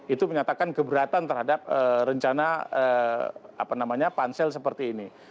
itu menyatakan keberatan terhadap rencana pansel seperti ini